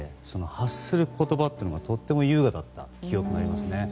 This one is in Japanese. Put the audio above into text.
発する言葉がとっても優雅だった記憶がありますね。